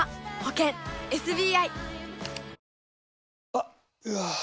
あっ、うわー。